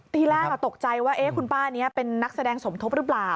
ทีแรกตกใจว่าคุณป้านี้เป็นนักแสดงสมทบหรือเปล่า